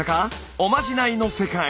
おまじないの世界。